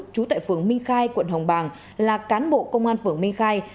trú tại phường minh khai quận hồng bàng là cán bộ công an phường minh khai